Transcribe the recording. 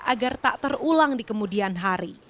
agar tak terulang di kemudian hari